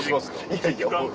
いやいや。